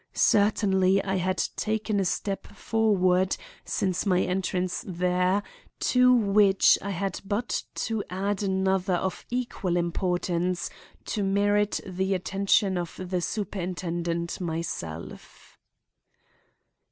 Certainly I had taken a step forward since my entrance there, to which I had but to add another of equal importance to merit the attention of the superintendent himself.